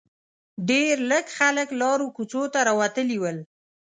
ډېر لږ خلک لارو کوڅو ته راوتلي ول.